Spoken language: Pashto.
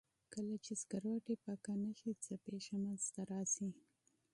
کله چې سکروټې پکه نه شي څه پېښه منځ ته راځي؟